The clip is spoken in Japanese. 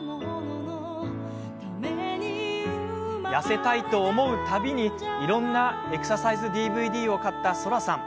痩せたいと思う度にいろんなエクササイズＤＶＤを買った、そらさん。